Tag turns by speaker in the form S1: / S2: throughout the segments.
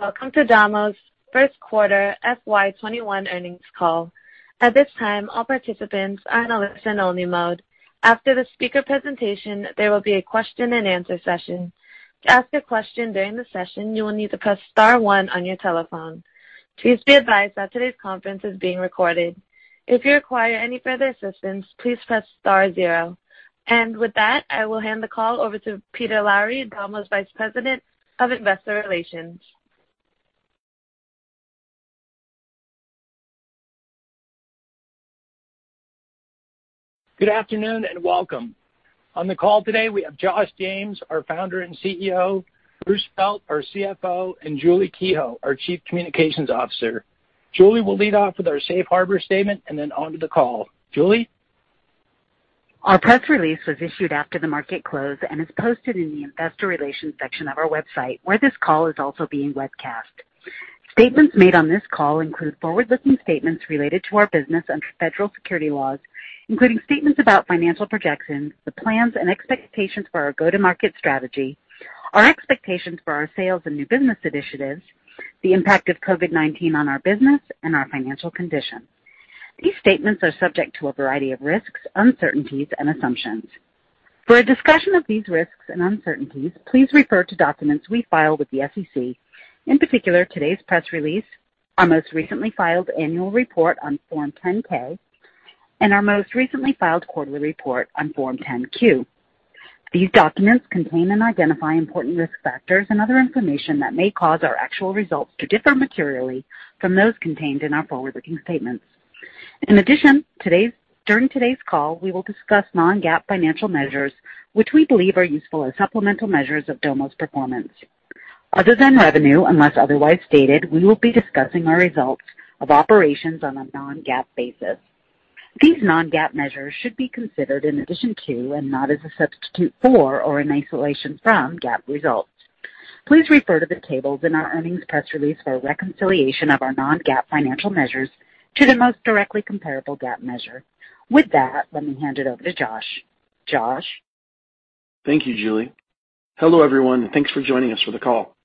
S1: Welcome to Domo's first quarter FY 2021 Earnings Call. At this time, all participants are in a listen-only mode. After the speaker presentation, there will be a question-and-answer session. To ask a question during the session, you will need to press star one on your telephone. Please be advised that today's conference is being recorded. If you require any further assistance, please press star zero. With that, I will hand the call over to Peter Lowry, Domo's Vice President of Investor Relations.
S2: Good afternoon, and welcome. On the call today, we have Josh James, our Founder and Chief Executive Officer, Bruce Felt, our CFO, and Julie Kehoe, our Chief Communications Officer. Julie will lead off with our safe harbor statement and then on to the call. Julie?
S3: Our press release was issued after the market close and is posted in the investor relations section of our website, where this call is also being webcast. Statements made on this call include forward-looking statements related to our business under federal security laws, including statements about financial projections, the plans and expectations for our go-to-market strategy, our expectations for our sales and new business initiatives, the impact of COVID-19 on our business and our financial condition. These statements are subject to a variety of risks, uncertainties, and assumptions. For a discussion of these risks and uncertainties, please refer to documents we file with the SEC, in particular, today's press release, our most recently filed annual report on Form 10-K, and our most recently filed quarterly report on Form 10-Q. These documents contain and identify important risk factors and other information that may cause our actual results to differ materially from those contained in our forward-looking statements. In addition, during today's call, we will discuss non-GAAP financial measures, which we believe are useful as supplemental measures of Domo's performance. Other than revenue, unless otherwise stated, we will be discussing our results of operations on a non-GAAP basis. These non-GAAP measures should be considered in addition to, and not as a substitute for or in isolation from, GAAP results. Please refer to the tables in our earnings press release for a reconciliation of our non-GAAP financial measures to the most directly comparable GAAP measure. With that, let me hand it over to Josh. Josh?
S4: Thank you, Julie. Hello, everyone, thanks for joining us for the call.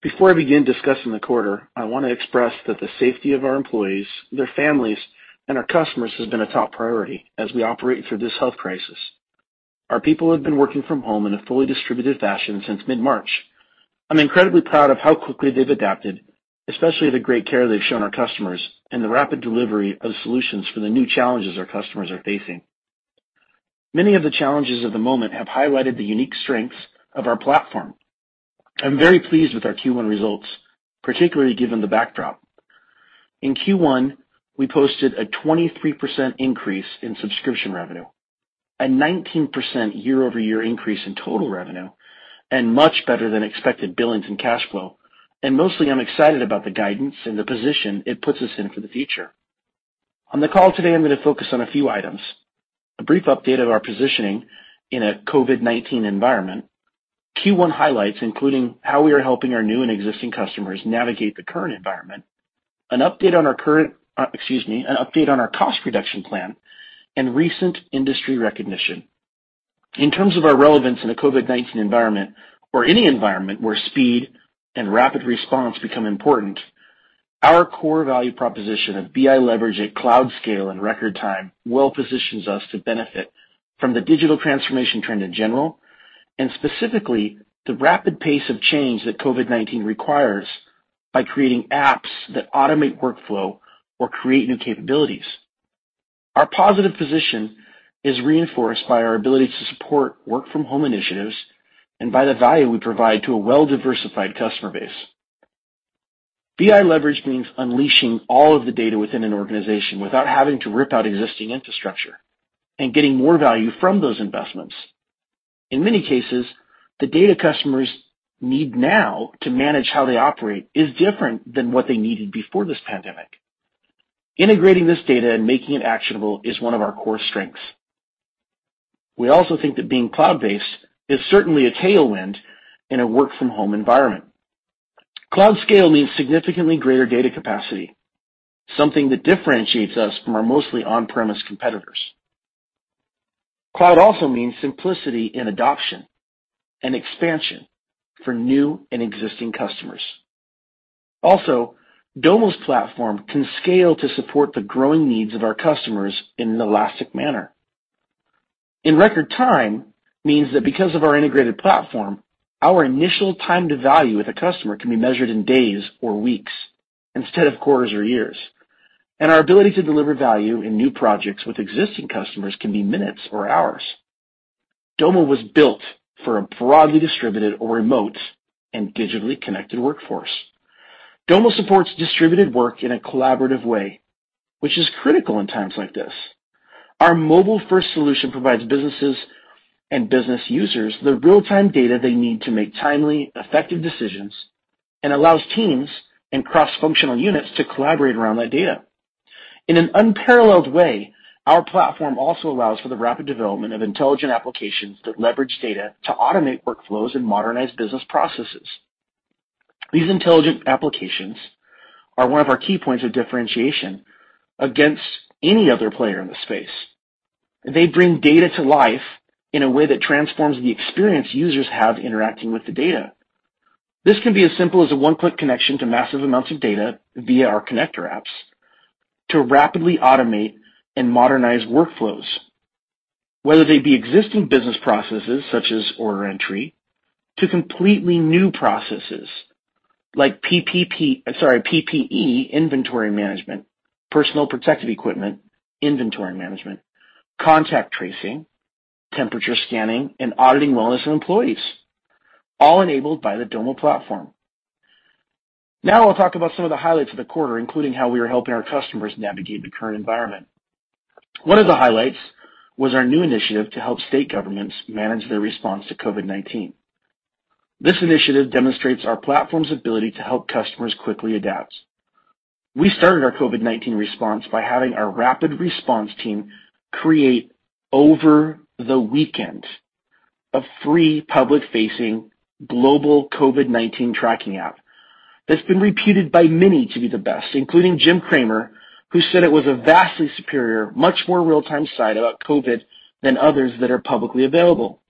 S4: Before I begin discussing the quarter, I want to express that the safety of our employees, their families, and our customers has been a top priority as we operate through this health crisis. Our people have been working from home in a fully distributed fashion since mid-March. I'm incredibly proud of how quickly they've adapted, especially the great care they've shown our customers and the rapid delivery of solutions for the new challenges our customers are facing. Many of the challenges of the moment have highlighted the unique strengths of our platform. I'm very pleased with our Q1 results, particularly given the backdrop. In Q1, we posted a 23% increase in subscription revenue, a 19% year-over-year increase in total revenue, and much better than expected billings and cash flow. Mostly, I'm excited about the guidance and the position it puts us in for the future. On the call today, I'm going to focus on a few items. A brief update of our positioning in a COVID-19 environment, Q1 highlights, including how we are helping our new and existing customers navigate the current environment, an update on our cost reduction plan, and recent industry recognition. In terms of our relevance in a COVID-19 environment or any environment where speed and rapid response become important, our core value proposition of BI leverage at cloud scale in record time well positions us to benefit from the digital transformation trend in general, and specifically, the rapid pace of change that COVID-19 requires by creating apps that automate workflow or create new capabilities. Our positive position is reinforced by our ability to support work-from-home initiatives and by the value we provide to a well-diversified customer base. BI leverage means unleashing all of the data within an organization without having to rip out existing infrastructure and getting more value from those investments. In many cases, the data customers need now to manage how they operate is different than what they needed before this pandemic. Integrating this data and making it actionable is one of our core strengths. We also think that being cloud-based is certainly a tailwind in a work-from-home environment. Cloud scale means significantly greater data capacity, something that differentiates us from our mostly on-premise competitors. Cloud also means simplicity in adoption and expansion for new and existing customers. Also, Domo's platform can scale to support the growing needs of our customers in an elastic manner. In record time means that because of our integrated platform, our initial time to value with a customer can be measured in days or weeks instead of quarters or years. Our ability to deliver value in new projects with existing customers can be minutes or hours. Domo was built for a broadly distributed or remote and digitally connected workforce. Domo supports distributed work in a collaborative way, which is critical in times like this. Our mobile-first solution provides businesses and business users the real-time data they need to make timely, effective decisions and allows teams and cross-functional units to collaborate around that data. In an unparalleled way, our platform also allows for the rapid development of intelligent applications that leverage data to automate workflows and modernize business processes. These intelligent applications are one of our key points of differentiation against any other player in the space. They bring data to life in a way that transforms the experience users have interacting with the data. This can be as simple as a one-click connection to massive amounts of data via our connector apps to rapidly automate and modernize workflows, whether they be existing business processes such as order entry, to completely new processes like PPE inventory management, personal protective equipment inventory management, contact tracing, temperature scanning, and auditing wellness of employees, all enabled by the Domo platform. I'll talk about some of the highlights of the quarter, including how we are helping our customers navigate the current environment. One of the highlights was our new initiative to help state governments manage their response to COVID-19. This initiative demonstrates our platform's ability to help customers quickly adapt. We started our COVID-19 response by having our rapid response team create, over the weekend, a free public-facing global COVID-19 tracking app that's been reputed by many to be the best, including Jim Cramer, who said it was a vastly superior, much more real-time site about COVID than others that are publicly available.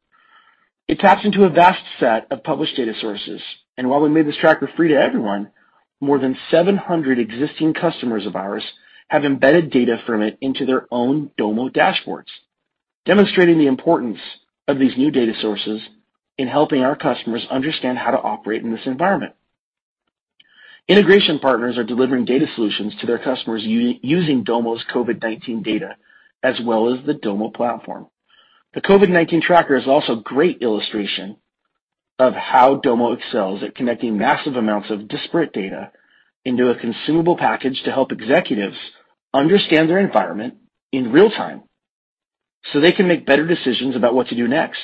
S4: It taps into a vast set of published data sources, and while we made this tracker free to everyone, more than 700 existing customers of ours have embedded data from it into their own Domo dashboards, demonstrating the importance of these new data sources in helping our customers understand how to operate in this environment. Integration partners are delivering data solutions to their customers using Domo's COVID-19 data, as well as the Domo platform. The COVID-19 tracker is also a great illustration of how Domo excels at connecting massive amounts of disparate data into a consumable package to help executives understand their environment in real time so they can make better decisions about what to do next.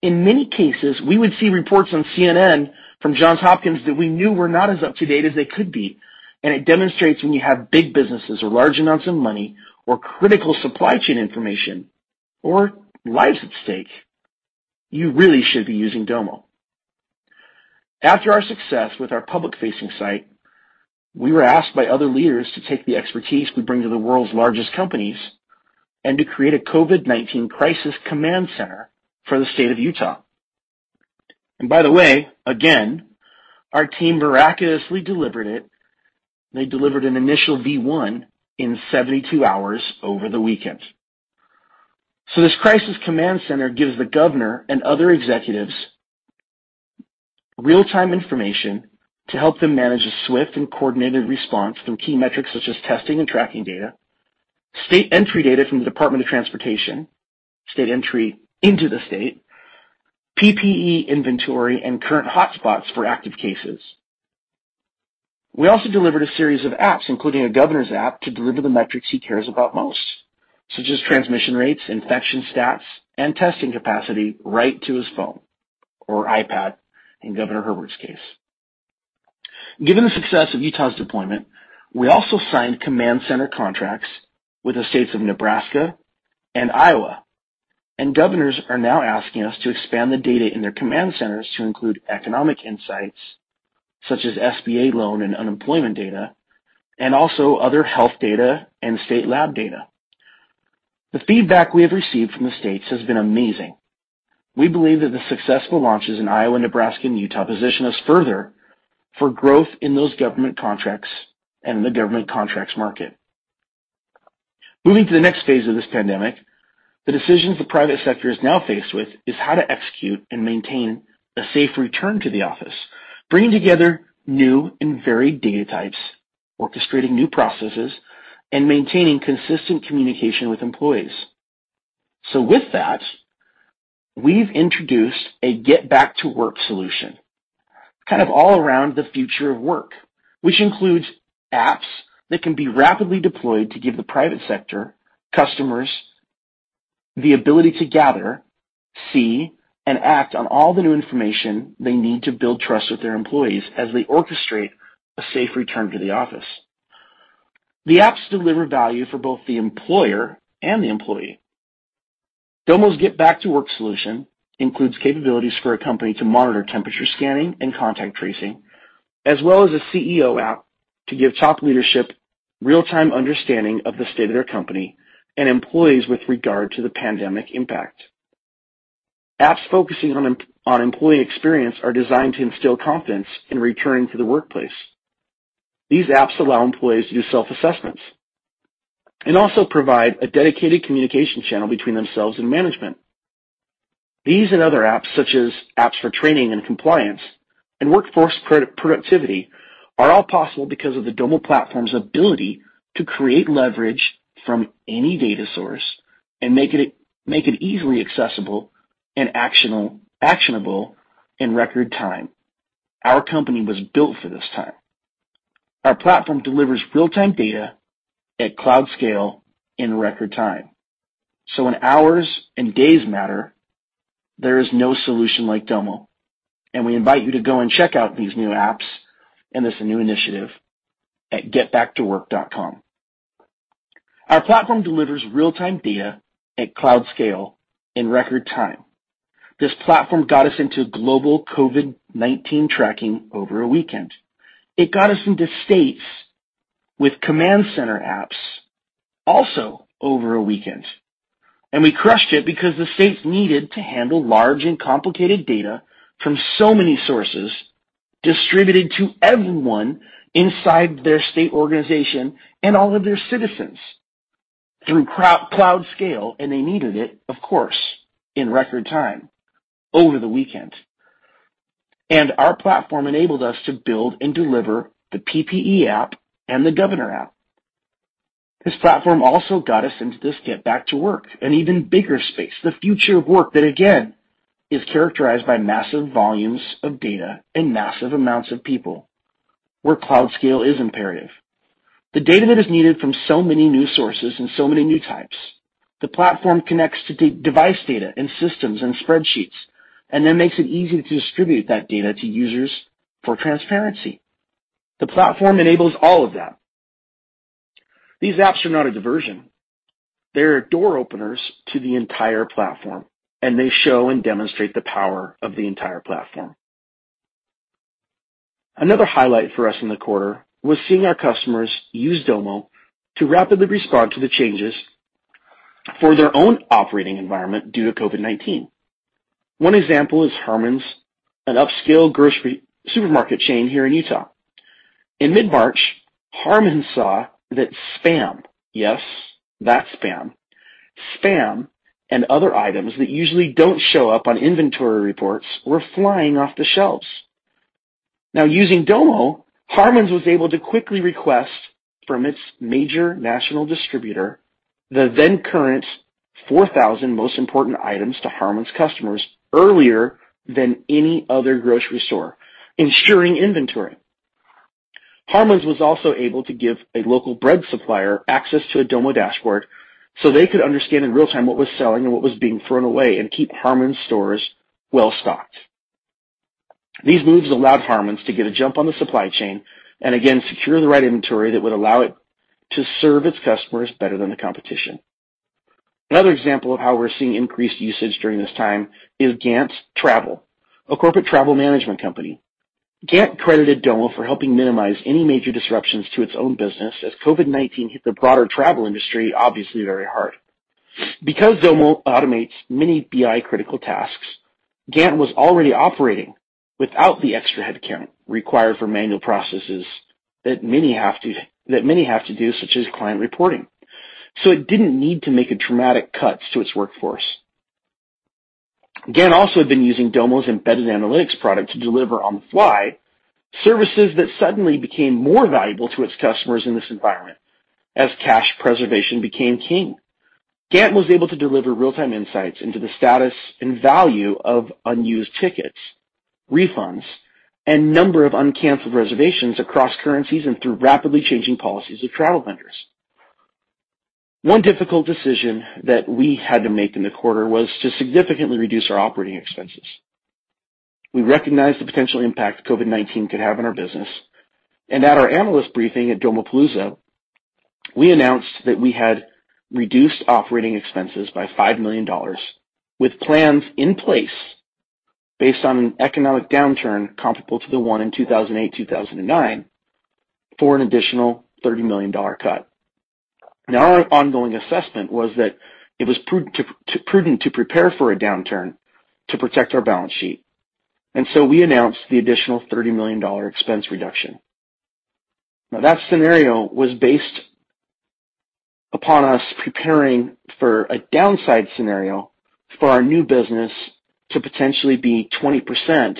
S4: In many cases, we would see reports on CNN from Johns Hopkins that we knew were not as up-to-date as they could be. It demonstrates when you have big businesses or large amounts of money or critical supply chain information or lives at stake, you really should be using Domo. After our success with our public-facing site, we were asked by other leaders to take the expertise we bring to the world's largest companies and to create a COVID-19 Crisis Command Center for the state of Utah. By the way, again, our team miraculously delivered it. They delivered an initial V1 in 72 hours over the weekend. This Crisis Command Center gives the Governor and other executives real-time information to help them manage a swift and coordinated response from key metrics such as testing and tracking data, state entry data from the Department of Transportation, state entry into the state, PPE inventory, and current hotspots for active cases. We also delivered a series of apps, including a Governor's app, to deliver the metrics he cares about most, such as transmission rates, infection stats, and testing capacity, right to his phone or iPad, in Governor Herbert's case. Given the success of Utah's deployment, we also signed command center contracts with the states of Nebraska and Iowa. Governors are now asking us to expand the data in their command centers to include economic insights such as SBA loan and unemployment data, and also other health data and state lab data. The feedback we have received from the states has been amazing. We believe that the successful launches in Iowa, Nebraska, and Utah position us further for growth in those government contracts and the government contracts market. Moving to the next phase of this pandemic, the decisions the private sector is now faced with is how to execute and maintain a safe return to the office, bringing together new and varied data types, orchestrating new processes, and maintaining consistent communication with employees. With that, we've introduced a Get Back to Work solution, kind of all around the future of work, which includes apps that can be rapidly deployed to give the private sector customers the ability to gather, see, and act on all the new information they need to build trust with their employees as they orchestrate a safe return to the office. The apps deliver value for both the employer and the employee. Domo's Get Back to Work solution includes capabilities for a company to monitor temperature scanning and contact tracing, as well as a CEO app to give top leadership real-time understanding of the state of their company and employees with regard to the pandemic impact. Apps focusing on employee experience are designed to instill confidence in returning to the workplace. These apps allow employees to do self-assessments and also provide a dedicated communication channel between themselves and management. These and other apps, such as apps for training and compliance and workforce productivity, are all possible because of the Domo platform's ability to create leverage from any data source and make it easily accessible and actionable in record time. Our company was built for this time. Our platform delivers real-time data at cloud scale in record time. When hours and days matter, there is no solution like Domo, and we invite you to go and check out these new apps and this new Get Back to Work initiative at getbacktowork.com. Our platform delivers real-time data at cloud scale in record time. This platform got us into global COVID-19 tracking over a weekend. It got us into states with command center apps also over a weekend. We crushed it because the states needed to handle large and complicated data from so many sources distributed to everyone inside their state organization and all of their citizens through cloud scale. They needed it, of course, in record time, over the weekend. Our platform enabled us to build and deliver the PPE app and the governor app. This platform also got us into this Get Back to Work, an even bigger space, the future of work that again, is characterized by massive volumes of data and massive amounts of people where cloud scale is imperative. The data that is needed from so many new sources and so many new types. The platform connects to device data and systems and spreadsheets, makes it easy to distribute that data to users for transparency. The platform enables all of that. These apps are not a diversion. They're door openers to the entire platform, and they show and demonstrate the power of the entire platform. Another highlight for us in the quarter was seeing our customers use Domo to rapidly respond to the changes for their own operating environment due to COVID-19. One example is Harmons, an upscale grocery supermarket chain here in Utah. In mid-March, Harmons saw that Spam, yes, that Spam and other items that usually don't show up on inventory reports were flying off the shelves. Using Domo, Harmons was able to quickly request from its major national distributor the then-current 4,000 most important items to Harmons customers earlier than any other grocery store, ensuring inventory. Harmons was also able to give a local bread supplier access to a Domo dashboard so they could understand in real time what was selling and what was being thrown away and keep Harmons stores well-stocked. These moves allowed Harmons to get a jump on the supply chain and again, secure the right inventory that would allow it to serve its customers better than the competition. Another example of how we're seeing increased usage during this time is Gant Travel, a corporate travel management company. Gant credited Domo for helping minimize any major disruptions to its own business as COVID-19 hit the broader travel industry, obviously very hard. Because Domo automates many BI-critical tasks, Gant was already operating without the extra headcount required for manual processes that many have to do, such as client reporting. It didn't need to make dramatic cuts to its workforce. Gant also had been using Domo's embedded analytics product to deliver on-the-fly services that suddenly became more valuable to its customers in this environment as cash preservation became king. Gant was able to deliver real-time insights into the status and value of unused tickets, refunds, and number of uncanceled reservations across currencies and through rapidly changing policies of travel vendors. One difficult decision that we had to make in the quarter was to significantly reduce our operating expenses. We recognized the potential impact COVID-19 could have on our business, and at our analyst briefing at Domopalooza, we announced that we had reduced operating expenses by $5 million with plans in place based on an economic downturn comparable to the one in 2008, 2009, for an additional $30 million cut. Our ongoing assessment was that it was prudent to prepare for a downturn to protect our balance sheet. We announced the additional $30 million expense reduction. That scenario was based upon us preparing for a downside scenario for our new business to potentially be 20%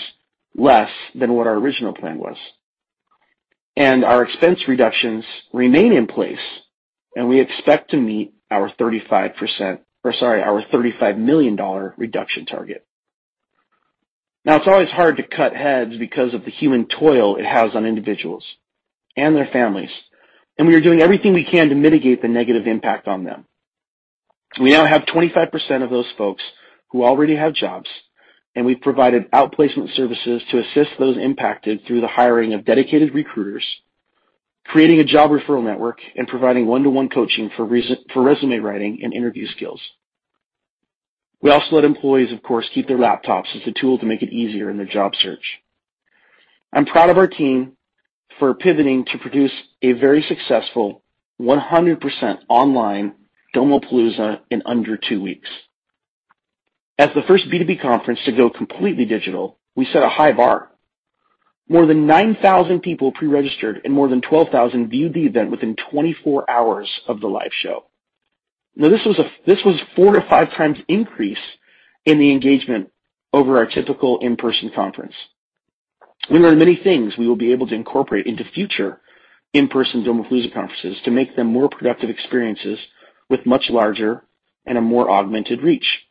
S4: less than what our original plan was. Our expense reductions remain in place, and we expect to meet our 35%, or sorry, our $35 million reduction target. It's always hard to cut heads because of the human toil it has on individuals and their families, and we are doing everything we can to mitigate the negative impact on them. We now have 25% of those folks who already have jobs, and we've provided outplacement services to assist those impacted through the hiring of dedicated recruiters, creating a job referral network, and providing one-to-one coaching for resume writing and interview skills. We also let employees, of course, keep their laptops as a tool to make it easier in their job search. I'm proud of our team for pivoting to produce a very successful 100% online Domopalooza in under two weeks. As the first B2B conference to go completely digital, we set a high bar. More than 9,000 people pre-registered and more than 12,000 viewed the event within 24 hours of the live show. Now, this was four to five times increase in the engagement over our typical in-person conference. We learned many things we will be able to incorporate into future in-person Domopalooza conferences to make them more productive experiences with much larger and a more augmented reach.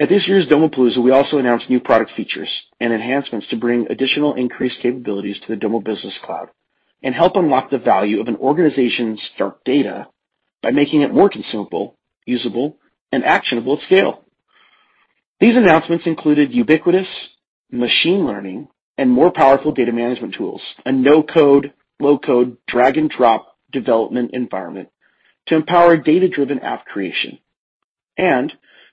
S4: At this year's Domopalooza, we also announced new product features and enhancements to bring additional increased capabilities to the Domo Business Cloud and help unlock the value of an organization's dark data by making it more consumable, usable, and actionable at scale. These announcements included ubiquitous machine learning and more powerful data management tools, a no-code, low-code drag and drop development environment to empower data-driven app creation and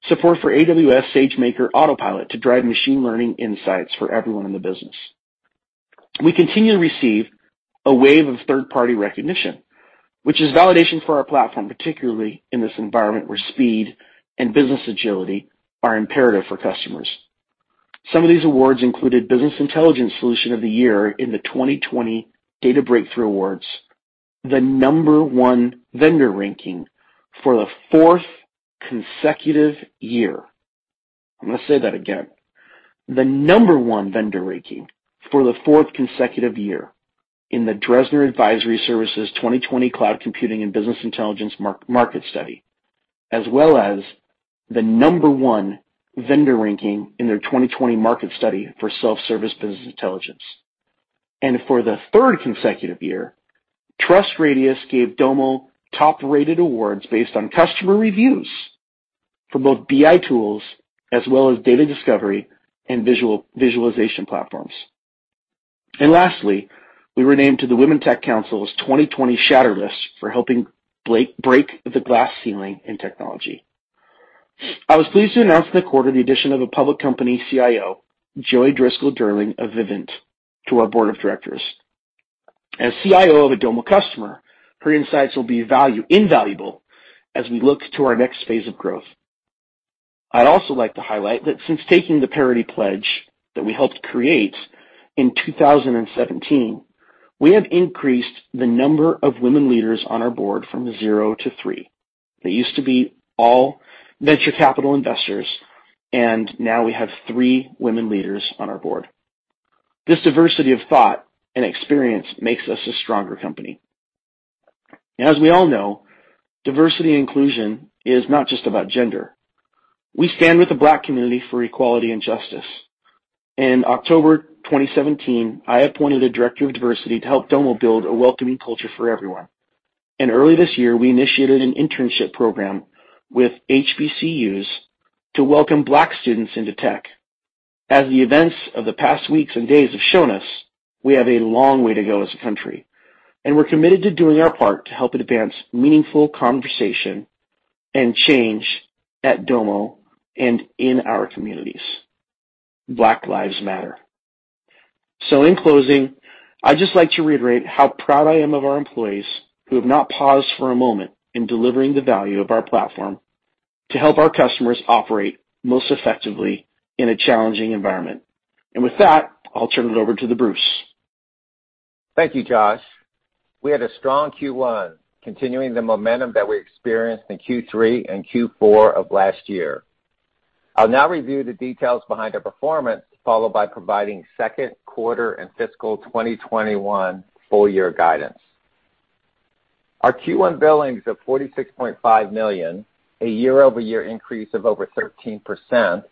S4: support for AWS SageMaker Autopilot to drive machine learning insights for everyone in the business. We continue to receive a wave of third-party recognition, which is validation for our platform, particularly in this environment where speed and business agility are imperative for customers. Some of these awards included Business Intelligence Solution of the Year in the 2020 Data Breakthrough Awards, the number one vendor ranking for the fourth consecutive year. I'm going to say that again. The number one vendor ranking for the fourth consecutive year in the Dresner Advisory Services 2020 Cloud Computing and Business Intelligence Market Study, as well as the number one vendor ranking in their 2020 market study for self-service business intelligence. For the third consecutive year, TrustRadius gave Domo top-rated awards based on customer reviews for both BI tools as well as data discovery and visualization platforms. Lastly, we were named to the Women Tech Council's 2020 Shatter List for helping break the glass ceiling in technology. I was pleased to announce in the quarter the addition of a public company CIO, Joy Driscoll Durling of Vivint, to our board of directors. As CIO of a Domo customer, her insights will be invaluable as we look to our next phase of growth. I'd also like to highlight that since taking the Parity Pledge that we helped create in 2017, we have increased the number of women leaders on our board from zero to three. They used to be all venture capital investors, and now we have three women leaders on our board. This diversity of thought and experience makes us a stronger company. As we all know, diversity and inclusion is not just about gender. We stand with the Black community for equality and justice. In October 2017, I appointed a director of diversity to help Domo build a welcoming culture for everyone. Early this year, we initiated an internship program with HBCUs to welcome Black students into tech. As the events of the past weeks and days have shown us, we have a long way to go as a country, and we're committed to doing our part to help advance meaningful conversation and change at Domo and in our communities. Black Lives Matter. In closing, I'd just like to reiterate how proud I am of our employees who have not paused for a moment in delivering the value of our platform to help our customers operate most effectively in a challenging environment. With that, I'll turn it over to the Bruce.
S5: Thank you, Josh. We had a strong Q1, continuing the momentum that we experienced in Q3 and Q4 of last year. I'll now review the details behind our performance, followed by providing second quarter and fiscal 2021 full-year guidance. Our Q1 billings of $46.5 million, a year-over-year increase of over 13%,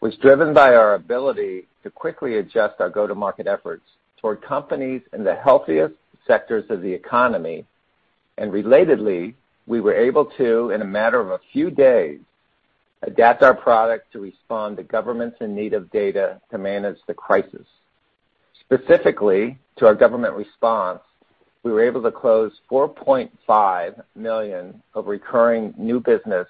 S5: was driven by our ability to quickly adjust our go-to-market efforts toward companies in the healthiest sectors of the economy. Relatedly, we were able to, in a matter of a few days, adapt our product to respond to governments in need of data to manage the crisis. Specifically, to our government response, we were able to close $4.5 million of recurring new business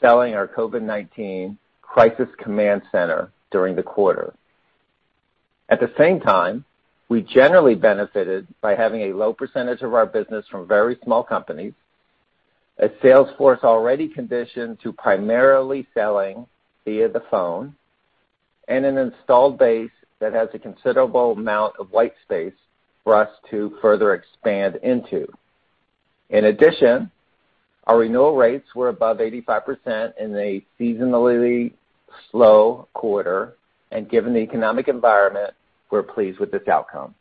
S5: selling our COVID-19 Crisis Command Center during the quarter. At the same time, we generally benefited by having a low percentage of our business from very small companies, a sales force already conditioned to primarily selling via the phone, and an installed base that has a considerable amount of white space for us to further expand into. In addition, our renewal rates were above 85% in a seasonally slow quarter, and given the economic environment, we're pleased with this outcome.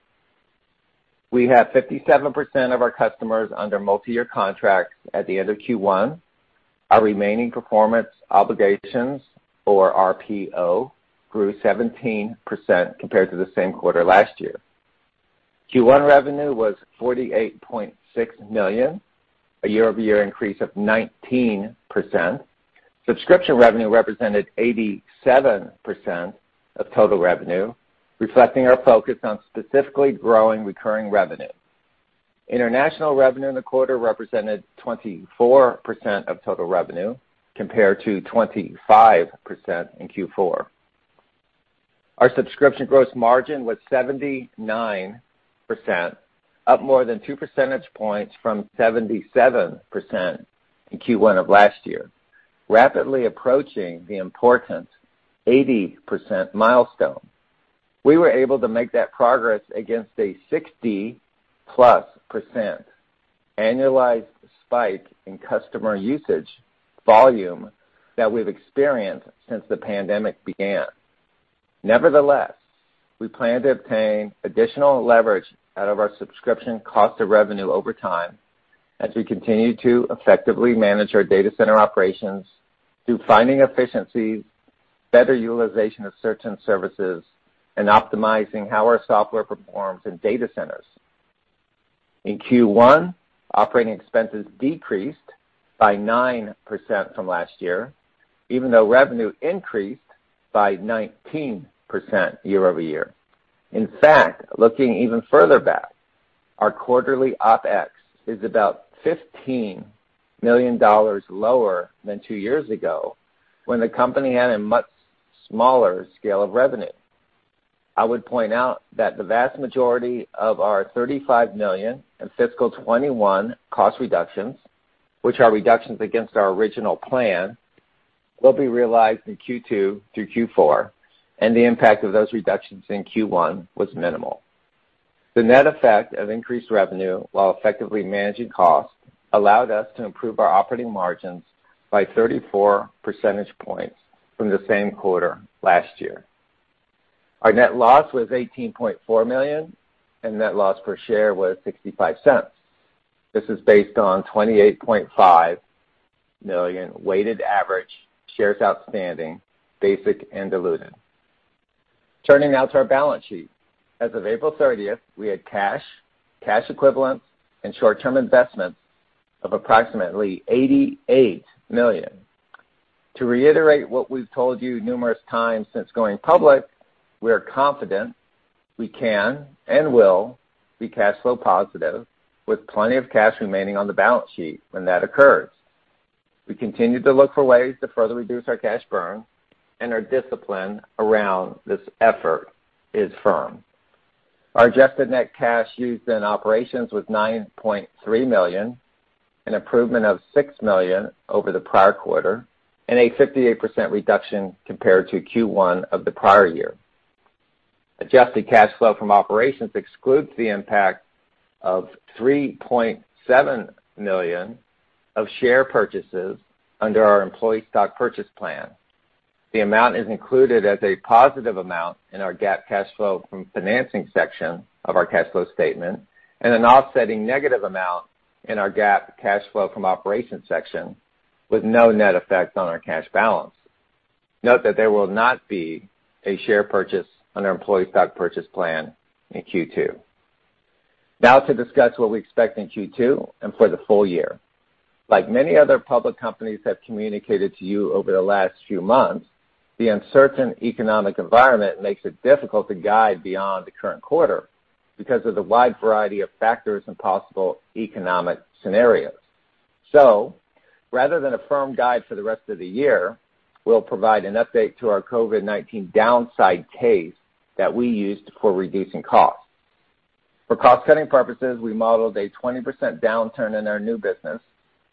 S5: We have 57% of our customers under multi-year contracts at the end of Q1. Our remaining performance obligations, or RPO, grew 17% compared to the same quarter last year. Q1 revenue was $48.6 million, a year-over-year increase of 19%. Subscription revenue represented 87% of total revenue, reflecting our focus on specifically growing recurring revenue. International revenue in the quarter represented 24% of total revenue, compared to 25% in Q4. Our subscription gross margin was 79%, up more than two percentage points from 77% in Q1 of last year, rapidly approaching the important 80% milestone. We were able to make that progress against a 60+% annualized spike in customer usage volume that we've experienced since the pandemic began. Nevertheless, we plan to obtain additional leverage out of our subscription cost of revenue over time as we continue to effectively manage our data center operations through finding efficiencies, better utilization of certain services, and optimizing how our software performs in data centers. In Q1, operating expenses decreased by 9% from last year, even though revenue increased by 19% year-over-year. In fact, looking even further back, our quarterly OpEx is about $15 million lower than two years ago, when the company had a much smaller scale of revenue. I would point out that the vast majority of our $35 million in fiscal 2021 cost reductions, which are reductions against our original plan, will be realized in Q2 through Q4, and the impact of those reductions in Q1 was minimal. The net effect of increased revenue while effectively managing costs allowed us to improve our operating margins by 34 percentage points from the same quarter last year. Our net loss was $18.4 million, and net loss per share was $0.65. This is based on 28.5 million weighted average shares outstanding, basic and diluted. Turning now to our balance sheet. As of April 30th, we had cash equivalents, and short-term investments of approximately $88 million. To reiterate what we've told you numerous times since going public, we are confident we can and will be cash flow positive with plenty of cash remaining on the balance sheet when that occurs. We continue to look for ways to further reduce our cash burn, and our discipline around this effort is firm. Our adjusted net cash used in operations was $9.3 million, an improvement of $6 million over the prior quarter, and a 58% reduction compared to Q1 of the prior year. Adjusted cash flow from operations excludes the impact of $3.7 million of share purchases under our employee stock purchase plan. The amount is included as a positive amount in our GAAP cash flow from financing section of our cash flow statement, and an offsetting negative amount in our GAAP cash flow from operations section, with no net effect on our cash balance. Note that there will not be a share purchase on our employee stock purchase plan in Q2. To discuss what we expect in Q2 and for the full-year. Like many other public companies have communicated to you over the last few months, the uncertain economic environment makes it difficult to guide beyond the current quarter because of the wide variety of factors and possible economic scenarios. Rather than a firm guide for the rest of the year, we'll provide an update to our COVID-19 downside case that we used for reducing costs. For cost-cutting purposes, we modeled a 20% downturn in our new business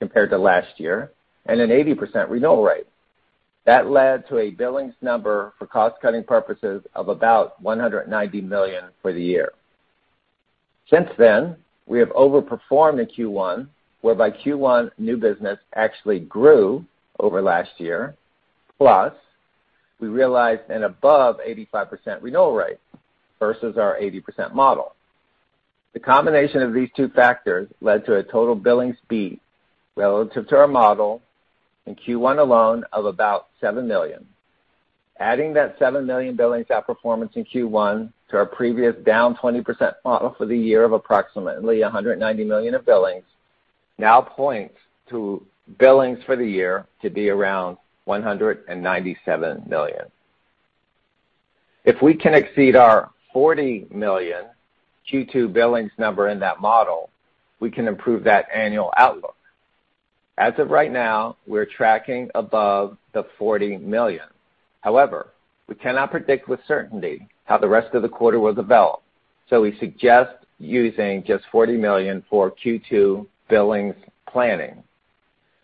S5: compared to last year and an 80% renewal rate. That led to a billings number for cost-cutting purposes of about $190 million for the year. Since then, we have overperformed in Q1, whereby Q1 new business actually grew over last year, plus we realized an above 85% renewal rate versus our 80% model. The combination of these two factors led to a total billings beat relative to our model in Q1 alone of about $7 million. Adding that $7 million billings outperformance in Q1 to our previous down 20% model for the year of approximately $190 million of billings now points to billings for the year to be around $197 million. If we can exceed our $40 million Q2 billings number in that model, we can improve that annual outlook. As of right now, we're tracking above the $40 million. However, we cannot predict with certainty how the rest of the quarter will develop, so we suggest using just $40 million for Q2 billings planning.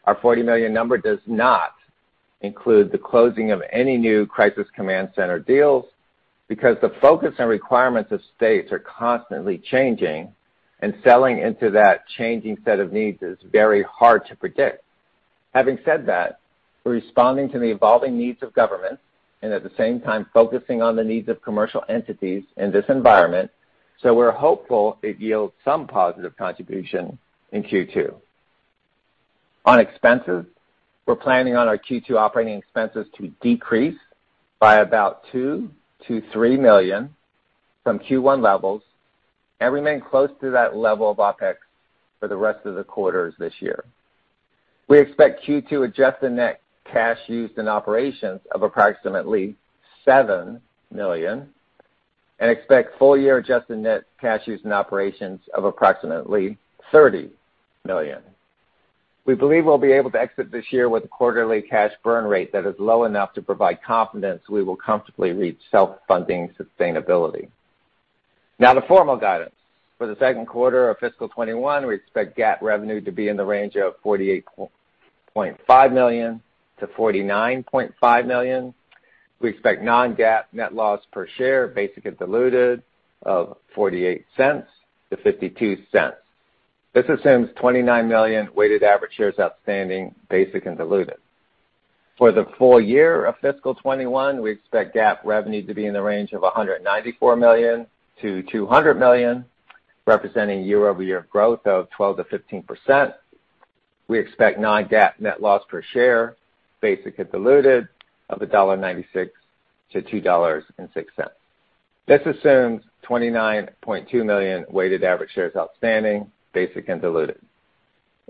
S5: Our $40 million number does not include the closing of any new COVID-19 Crisis Command Center deals because the focus and requirements of states are constantly changing, and selling into that changing set of needs is very hard to predict. Having said that, we're responding to the evolving needs of governments and at the same time focusing on the needs of commercial entities in this environment, so we're hopeful it yields some positive contribution in Q2. On expenses, we're planning on our Q2 operating expenses to decrease by about $2 million to $3 million from Q1 levels and remain close to that level of OpEx for the rest of the quarters this year. We expect Q2 adjusted net cash used in operations of approximately $7 million and expect full-year adjusted net cash used in operations of approximately $30 million. We believe we'll be able to exit this year with a quarterly cash burn rate that is low enough to provide confidence we will comfortably reach self-funding sustainability. The formal guidance. For the second quarter of fiscal 2021, we expect GAAP revenue to be in the range of $48.5 million to $49.5 million. We expect non-GAAP net loss per share, basic and diluted, of $0.48-$0.52. This assumes 29 million weighted average shares outstanding, basic and diluted. For the full-year of fiscal 2021, we expect GAAP revenue to be in the range of $194 million to $200 million, representing year-over-year growth of 12%-15%. We expect non-GAAP net loss per share, basic and diluted, of $1.96 to $2.06. This assumes 29.2 million weighted average shares outstanding, basic and diluted.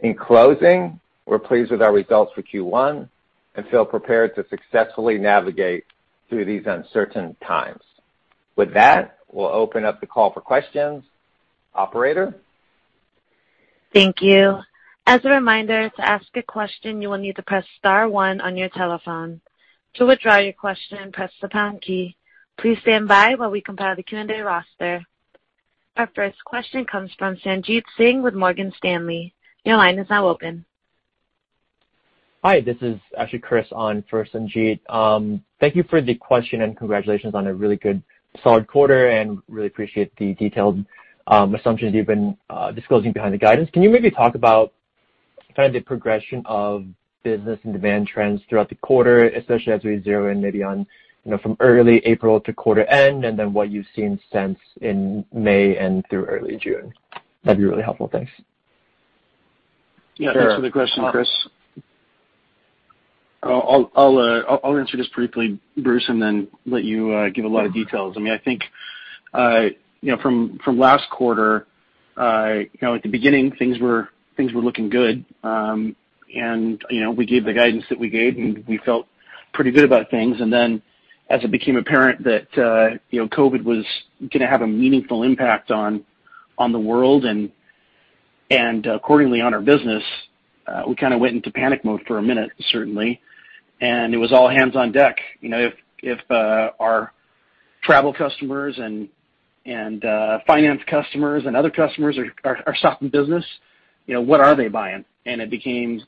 S5: In closing, we're pleased with our results for Q1 and feel prepared to successfully navigate through these uncertain times. With that, we'll open up the call for questions. Operator?
S1: Thank you. As a reminder, to ask a question, you will need to press star one on your telephone. To withdraw your question, press the pound key. Please stand by while we compile the Q&A roster. Our first question comes from Sanjit Singh with Morgan Stanley. Your line is now open.
S6: Hi, this is actually Chris on for Sanjit. Thank you for the question. Congratulations on a really good, solid quarter. Really appreciate the detailed assumptions you've been disclosing behind the guidance. Can you maybe talk about kind of the progression of business and demand trends throughout the quarter, especially as we zero in maybe on from early April to quarter end, and then what you've seen since in May and through early June? That'd be really helpful. Thanks.
S4: Yeah. Sure. Thanks for the question, Chris. I'll answer just briefly, Bruce, and then let you give a lot of details. I think from last quarter, at the beginning, things were looking good, and we gave the guidance that we gave, and we felt pretty good about things. As it became apparent that COVID was going to have a meaningful impact on the world and accordingly on our business, we kind of went into panic mode for a minute, certainly, and it was all hands on deck. If our travel customers and finance customers and other customers are stopping business, what are they buying? It became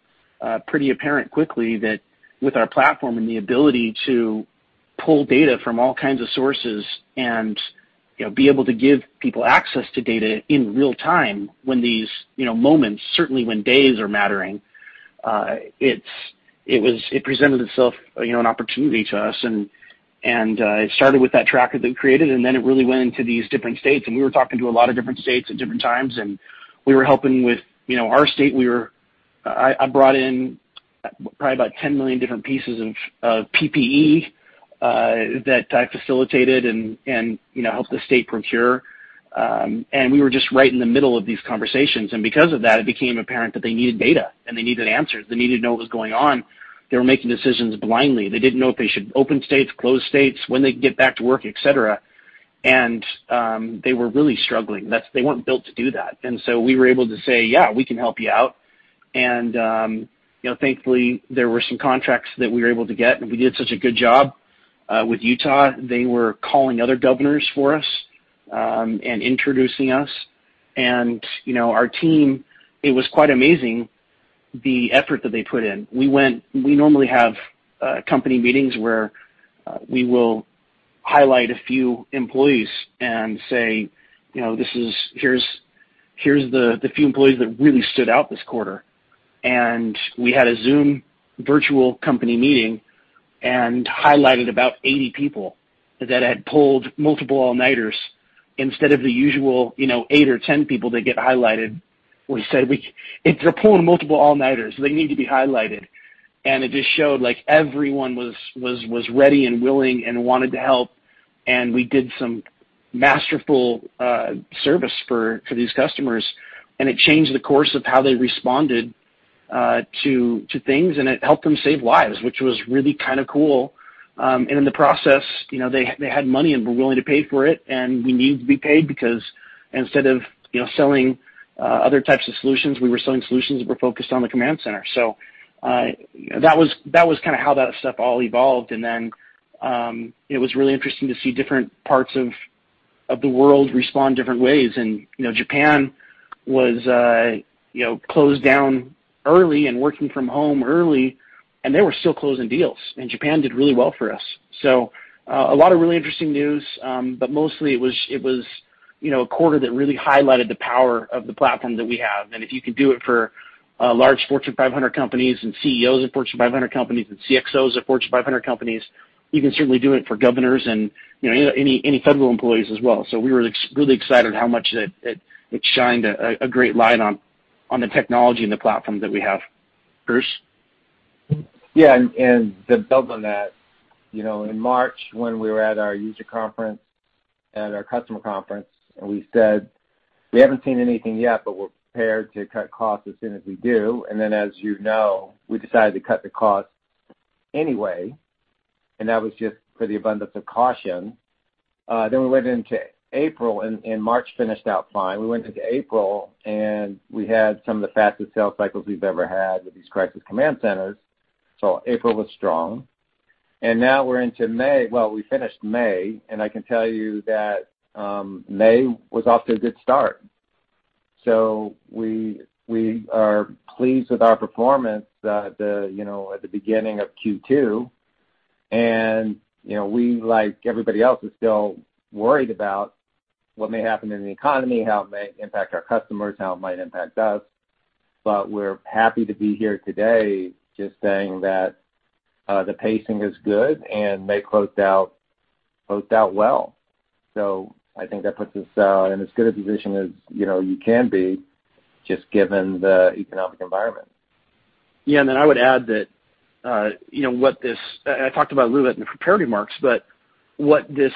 S4: pretty apparent quickly that with our platform and the ability to pull data from all kinds of sources and be able to give people access to data in real-time when these moments, certainly when days are mattering, it presented itself an opportunity to us. It started with that tracker that we created. It really went into these different states. We were talking to a lot of different states at different times. We were helping with our state. I brought in probably about 10 million different pieces of PPE that I facilitated and helped the state procure. We were just right in the middle of these conversations. Because of that, it became apparent that they needed data and they needed answers. They needed to know what was going on. They were making decisions blindly. They didn't know if they should open states, close states, when they could get back to work, et cetera. They were really struggling. They weren't built to do that. We were able to say, "Yeah, we can help you out." Thankfully, there were some contracts that we were able to get, and we did such a good job with Utah, they were calling other governors for us and introducing us. Our team, it was quite amazing the effort that they put in. We normally have company meetings where we will highlight a few employees and say, "Here's the few employees that really stood out this quarter." We had a Zoom virtual company meeting and highlighted about 80 people that had pulled multiple all-nighters instead of the usual eight or 10 people that get highlighted. We said, "If they're pulling multiple all-nighters, they need to be highlighted." It just showed everyone was ready and willing and wanted to help, and we did some masterful service for these customers, and it changed the course of how they responded to things, and it helped them save lives, which was really kind of cool. In the process, they had money and were willing to pay for it, and we needed to be paid because instead of selling other types of solutions, we were selling solutions that were focused on the command center. That was kind of how that stuff all evolved. Then it was really interesting to see different parts of the world respond different ways. Japan was closed down early and working from home early, and they were still closing deals, and Japan did really well for us. A lot of really interesting news, but mostly it was a quarter that really highlighted the power of the platform that we have. If you can do it for large Fortune 500 companies and CEOs of Fortune 500 companies and CXOs of Fortune 500 companies, you can certainly do it for governors and any federal employees as well. We were really excited how much it shined a great light on the technology and the platform that we have. Bruce.
S5: To build on that, in March, when we were at our user conference, at our customer conference, we said, "We haven't seen anything yet, but we're prepared to cut costs as soon as we do." As you know, we decided to cut the costs anyway, and that was just for the abundance of caution. We went into April, and March finished out fine. We went into April, and we had some of the fastest sales cycles we've ever had with these crisis command centers. April was strong. Now we're into May. Well, we finished May, and I can tell you that May was off to a good start. We are pleased with our performance at the beginning of Q2. We, like everybody else, are still worried about what may happen in the economy, how it may impact our customers, how it might impact us. We're happy to be here today just saying that the pacing is good, and May closed out. Both that well. I think that puts us in as good a position as you can be, just given the economic environment.
S4: Yeah. I would add that, I talked about a little bit in the prepared remarks, but what this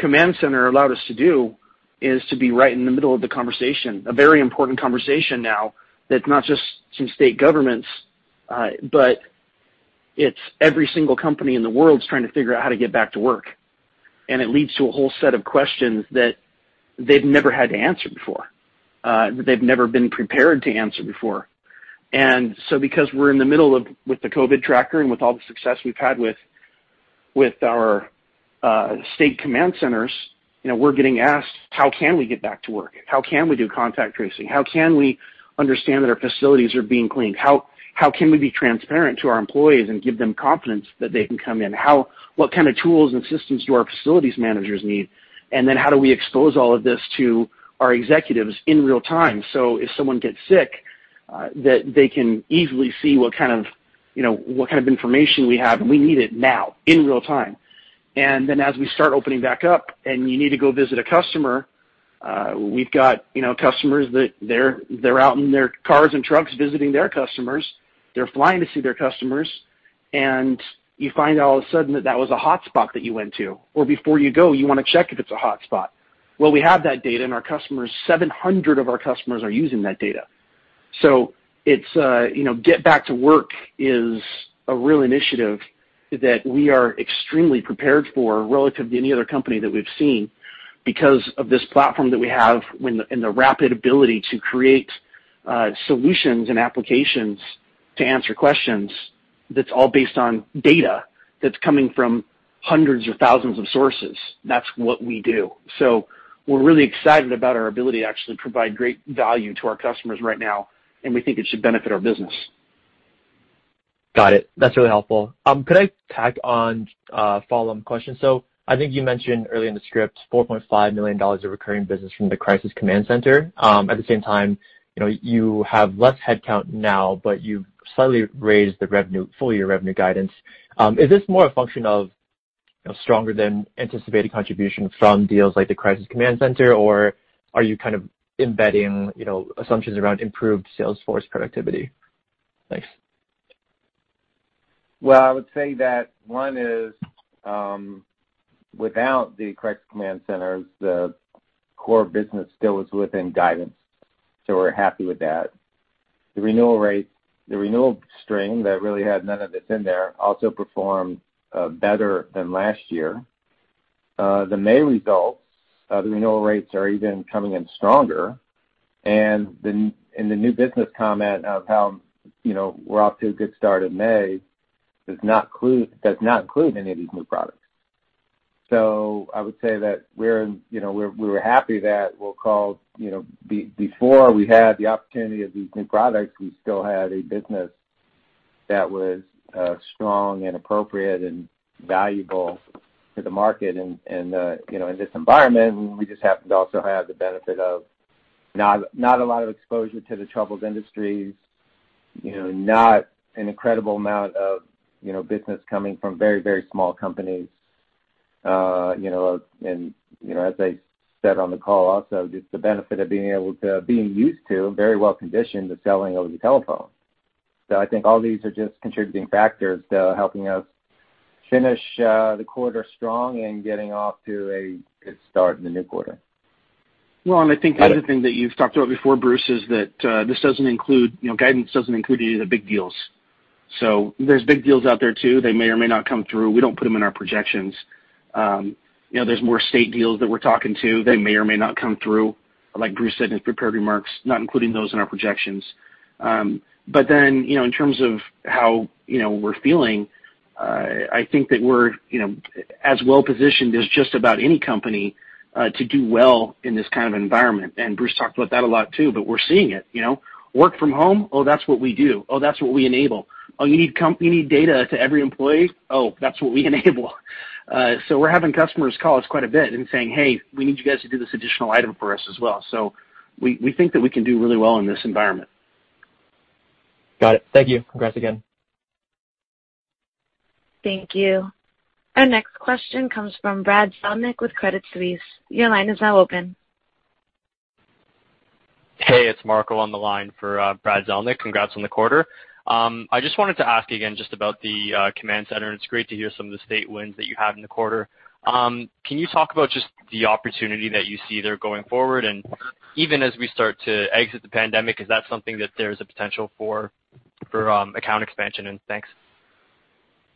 S4: Command Center allowed us to do is to be right in the middle of the conversation, a very important conversation now, that not just some state governments, but it's every single company in the world is trying to figure out how to Get Back to Work. It leads to a whole set of questions that they've never had to answer before, that they've never been prepared to answer before. Because we're in the middle of with the COVID-19 tracker and with all the success we've had with our state Command Centers, we're getting asked, how can we Get Back to Work? How can we do contact tracing? How can we understand that our facilities are being cleaned? How can we be transparent to our employees and give them confidence that they can come in? What kind of tools and systems do our facilities managers need? How do we expose all of this to our executives in real time, so if someone gets sick, that they can easily see what kind of information we have, and we need it now, in real time. As we start opening back up and you need to go visit a customer, we've got customers that they're out in their cars and trucks visiting their customers. They're flying to see their customers. You find all of a sudden that that was a hotspot that you went to, or before you go, you want to check if it's a hotspot. Well, we have that data, and 700 of our customers are using that data. Get Back to Work is a real initiative that we are extremely prepared for relative to any other company that we've seen because of this platform that we have and the rapid ability to create solutions and applications to answer questions that's all based on data that's coming from hundreds of thousands of sources. That's what we do. We're really excited about our ability to actually provide great value to our customers right now, and we think it should benefit our business.
S6: Got it. That's really helpful. Could I tack on a follow-on question? I think you mentioned early in the script, $4.5 million of recurring business from the Crisis Command Center. At the same time, you have less headcount now, but you've slightly raised the full-year revenue guidance. Is this more a function of stronger than anticipated contribution from deals like the Crisis Command Center, or are you kind of embedding assumptions around improved sales force productivity? Thanks.
S5: Well, I would say that one is, without the Crisis Command Centers, the core business still is within guidance. We're happy with that. The renewal string that really had none of its in there also performed better than last year. The May results, the renewal rates are even coming in stronger. The new business comment of how we're off to a good start in May does not include any of these new products. I would say that before we had the opportunity of these new products, we still had a business that was strong and appropriate and valuable to the market. In this environment, we just happened to also have the benefit of not a lot of exposure to the troubled industries, not an incredible amount of business coming from very, very small companies. As I said on the call also, just the benefit of being used to very well conditioned to selling over the telephone. I think all these are just contributing factors to helping us finish the quarter strong and getting off to a good start in the new quarter.
S4: I think the other thing that you've talked about before, Bruce, is that this doesn't include, guidance doesn't include any of the big deals. There's big deals out there, too. They may or may not come through. We don't put them in our projections. There's more state deals that we're talking to that may or may not come through. Like Bruce said in his prepared remarks, not including those in our projections. In terms of how we're feeling, I think that we're as well-positioned as just about any company, to do well in this kind of environment.] Bruce talked about that a lot, too, but we're seeing it. Work from home? Oh, that's what we do. Oh, that's what we enable. Oh, you need data to every employee? Oh, that's what we enable. We're having customers call us quite a bit and saying, "Hey, we need you guys to do this additional item for us as well." We think that we can do really well in this environment.
S6: Got it. Thank you. Congrats again.
S1: Thank you. Our next question comes from Brad Zelnick with Credit Suisse. Your line is now open.
S7: Hey, it's Marco on the line for Brad Zelnick. Congrats on the quarter. I just wanted to ask again just about the Command Center. It's great to hear some of the state wins that you have in the quarter. Can you talk about just the opportunity that you see there going forward? Even as we start to exit the pandemic, is that something that there's a potential for account expansion and things?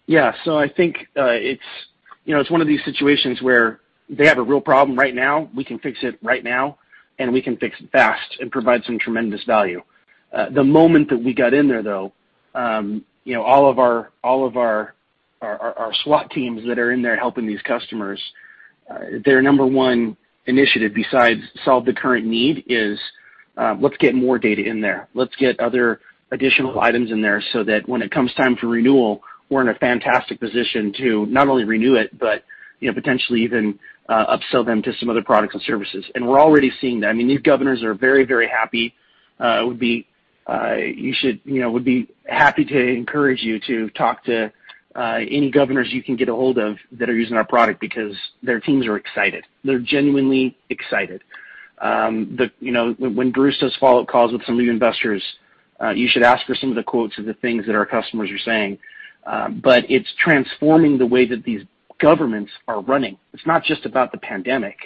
S4: Yeah. I think it's one of these situations where they have a real problem right now. We can fix it right now, and we can fix it fast and provide some tremendous value. The moment that we got in there, though, all of our SWAT teams that are in there helping these customers, their number one initiative besides solve the current need is, let's get more data in there. Let's get other additional items in there so that when it comes time for renewal, we're in a fantastic position to not only renew it, but potentially even upsell them to some other products and services. We're already seeing that. I mean, these governors are very, very happy. We'd be happy to encourage you to talk to any governors you can get a hold of that are using our product because their teams are excited. They're genuinely excited. When Bruce does follow-up calls with some of your investors, you should ask for some of the quotes of the things that our customers are saying. It's transforming the way that these governments are running. It's not just about the pandemic.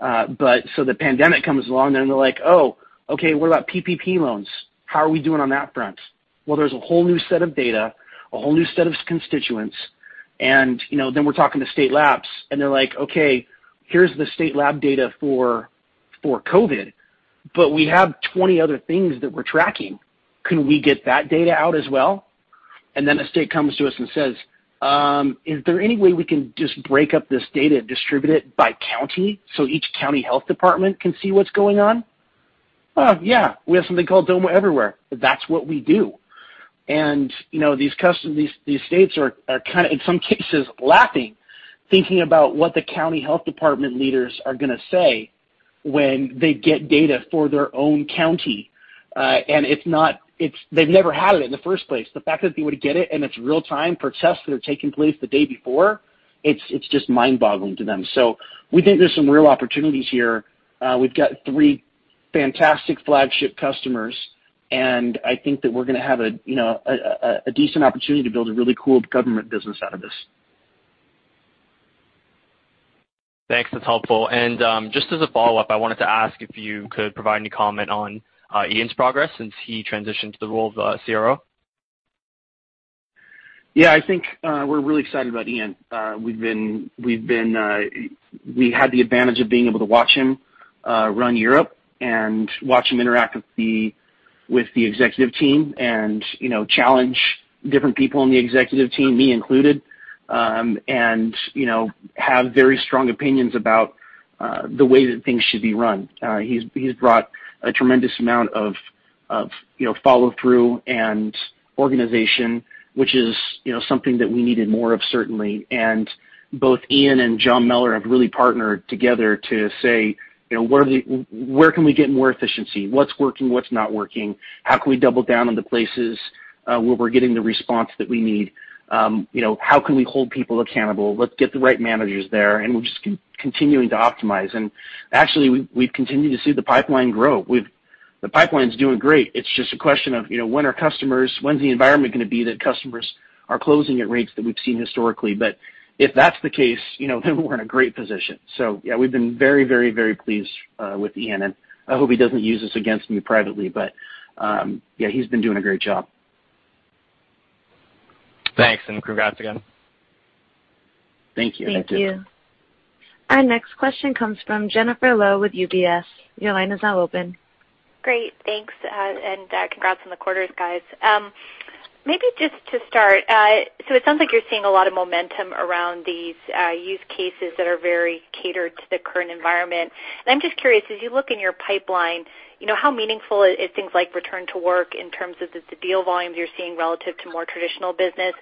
S4: The pandemic comes along, then they're like, "Oh, okay, what about PPP loans? How are we doing on that front?" Well, there's a whole new set of data, a whole new set of constituents, and then we're talking to state labs, and they're like, "Okay, here's the state lab data for COVID-19, but we have 20 other things that we're tracking. Can we get that data out as well?" A state comes to us and says, "Is there any way we can just break up this data and distribute it by county so each county health department can see what's going on?" Yeah. We have something called Domo Everywhere. That's what we do. These states are, in some cases, laughing, thinking about what the county health department leaders are going to say when they get data for their own county. They've never had it in the first place. The fact that they would get it, and it's real time for tests that are taking place the day before, it's just mind-boggling to them. We think there's some real opportunities here. We've got three fantastic flagship customers, and I think that we're going to have a decent opportunity to build a really cool government business out of this.
S7: Thanks. That's helpful. Just as a follow-up, I wanted to ask if you could provide any comment on Ian's progress since he transitioned to the role of CRO.
S4: Yeah, I think we're really excited about Ian. We had the advantage of being able to watch him run Europe and watch him interact with the executive team and challenge different people on the executive team, me included, and have very strong opinions about the way that things should be run. He's brought a tremendous amount of follow-through and organization, which is something that we needed more of, certainly. Both Ian and John Mellor have really partnered together to say, "Where can we get more efficiency? What's working? What's not working? How can we double down on the places where we're getting the response that we need? How can we hold people accountable? Let's get the right managers there." We're just continuing to optimize. Actually, we've continued to see the pipeline grow. The pipeline's doing great. It's just a question of when our customers, when's the environment going to be that customers are closing at rates that we've seen historically. If that's the case, we're in a great position. Yeah, we've been very pleased with Ian, and I hope he doesn't use this against me privately. Yeah, he's been doing a great job.
S7: Thanks, and congrats again.
S4: Thank you.
S1: Thank you. Our next question comes from Jennifer Lowe with UBS. Your line is now open.
S8: Great. Thanks, and congrats on the quarters, guys. Maybe just to start, it sounds like you're seeing a lot of momentum around these use cases that are very catered to the current environment. I'm just curious, as you look in your pipeline, how meaningful are things like return to work in terms of the deal volumes you're seeing relative to more traditional business?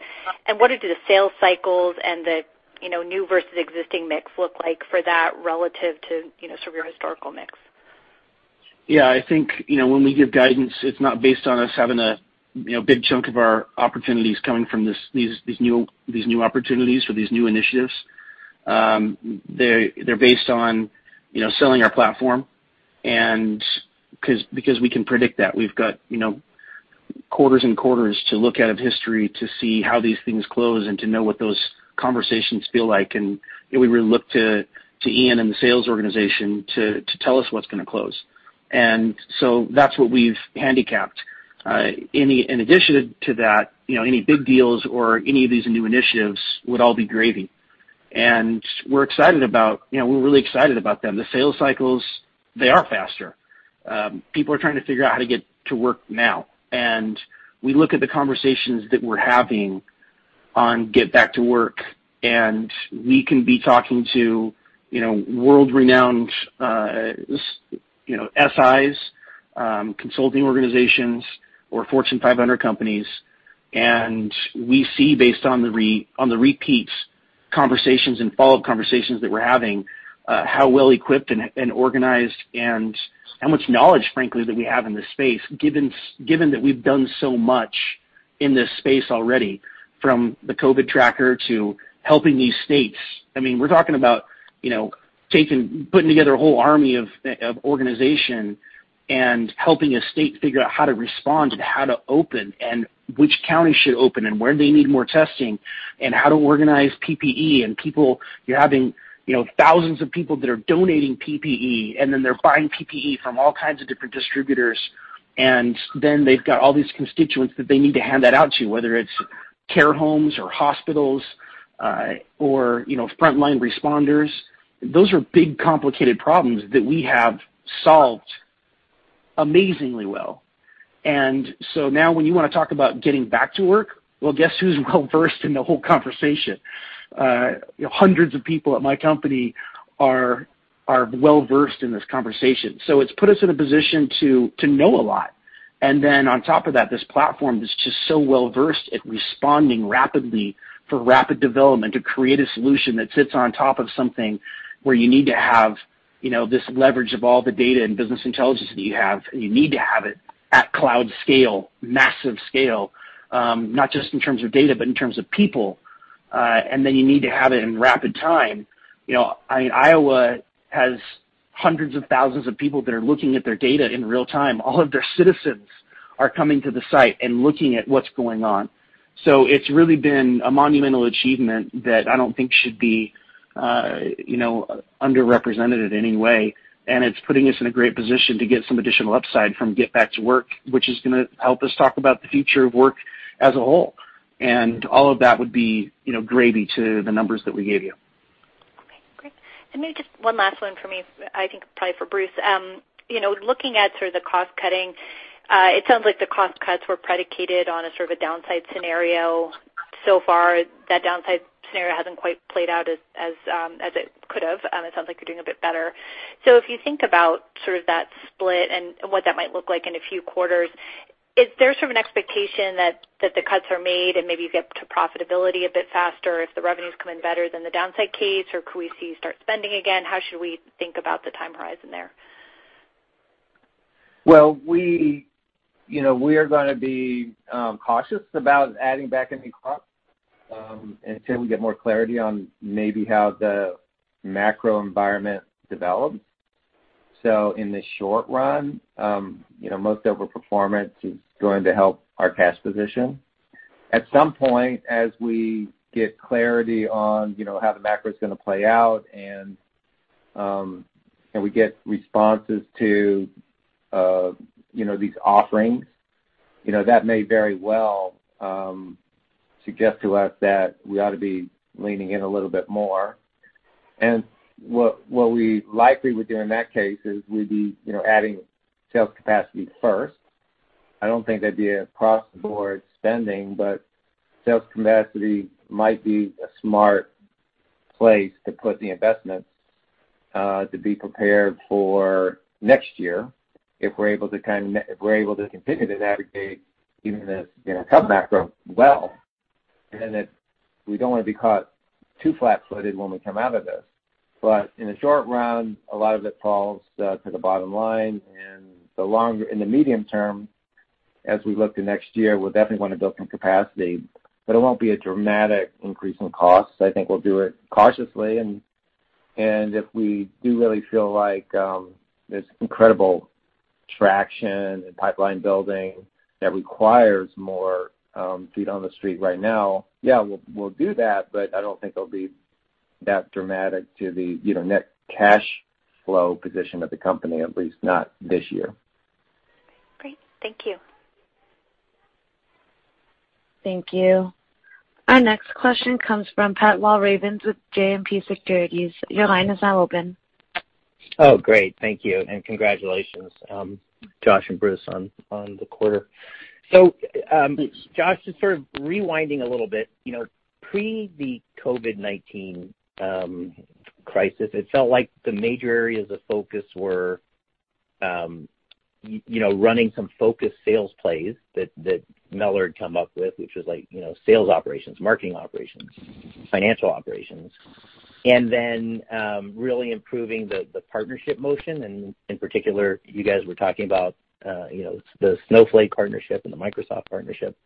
S8: What do the sales cycles and the new versus existing mix look like for that relative to your historical mix?
S4: Yeah, I think when we give guidance, it's not based on us having a big chunk of our opportunities coming from these new opportunities for these new initiatives. They're based on selling our platform. Because we can predict that. We've got quarters and quarters to look at of history to see how these things close and to know what those conversations feel like. We look to Ian and the sales organization to tell us what's going to close. So that's what we've handicapped. In addition to that, any big deals or any of these new initiatives would all be gravy. We're really excited about them. The sales cycles, they are faster. People are trying to figure out how to get to work now. We look at the conversations that we're having on Get Back to Work, and we can be talking to world-renowned SIs, consulting organizations, or Fortune 500 companies, and we see based on the repeats conversations and follow-up conversations that we're having, how well equipped and organized and how much knowledge, frankly, that we have in this space, given that we've done so much in this space already, from the COVID-19 Crisis Command Center to helping these states. We're talking about putting together a whole army of organization and helping a state figure out how to respond and how to open and which counties should open and where they need more testing and how to organize PPE and people. You're having thousands of people that are donating PPE, and then they're buying PPE from all kinds of different distributors, and then they've got all these constituents that they need to hand that out to, whether it's care homes or hospitals or frontline responders. Those are big, complicated problems that we have solved amazingly well. Now when you want to talk about Get Back to Work, well, guess who's well-versed in the whole conversation? Hundreds of people at my company are well-versed in this conversation. It's put us in a position to know a lot. On top of that, this platform is just so well-versed at responding rapidly for rapid development to create a solution that sits on top of something where you need to have this leverage of all the data and business intelligence that you have, you need to have it at cloud scale, massive scale, not just in terms of data, but in terms of people. You need to have it in rapid time. Iowa has hundreds of thousands of people that are looking at their data in real time. All of their citizens are coming to the site and looking at what's going on. It's really been a monumental achievement that I don't think should be underrepresented in any way. It's putting us in a great position to get some additional upside from Get Back to Work, which is going to help us talk about the future of work as a whole. All of that would be gravy to the numbers that we gave you.
S8: Okay, great. Maybe just one last one from me, I think probably for Bruce Felt. Looking at sort of the cost-cutting, it sounds like the cost cuts were predicated on a sort of a downside scenario. So far, that downside scenario hasn't quite played out as it could have. It sounds like you're doing a bit better. If you think about sort of that split and what that might look like in a few quarters, is there sort of an expectation that the cuts are made and maybe you get to profitability a bit faster if the revenues come in better than the downside case? Could we see you start spending again? How should we think about the time horizon there?
S5: Well, we are going to be cautious about adding back any cost until we get more clarity on maybe how the macro environment develops. In the short run, most over-performance is going to help our cash position. At some point, as we get clarity on how the macro is going to play out and we get responses to these offerings, that may very well suggest to us that we ought to be leaning in a little bit more. What we likely would do in that case is we'd be adding sales capacity first. I don't think there'd be across-the-board spending, but sales capacity might be a smart place to put the investments to be prepared for next year if we're able to continue to navigate even this tough macro well, and that we don't want to be caught too flat-footed when we come out of this. In the short run, a lot of it falls to the bottom line, and in the medium term, as we look to next year, we'll definitely want to build some capacity. It won't be a dramatic increase in costs. I think we'll do it cautiously, and if we do really feel like there's incredible traction and pipeline building that requires more feet on the street right now, yeah, we'll do that, but I don't think it'll be that dramatic to the net cash flow position of the company, at least not this year.
S8: Great. Thank you.
S1: Thank you. Our next question comes from Pat Walravens with JMP Securities. Your line is now open.
S9: Great. Thank you, and congratulations, Josh and Bruce, on the quarter. Josh, just sort of rewinding a little bit. Pre the COVID-19 crisis, it felt like the major areas of focus were running some focused sales plays that Mellor come up with, which was like sales operations, marketing operations, financial operations, really improving the partnership motion, in particular, you guys were talking about the Snowflake partnership and the Microsoft partnership.